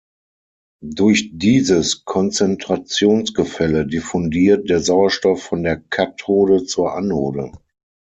Durch dieses Konzentrationsgefälle diffundiert der Sauerstoff von der Kathode zur Anode.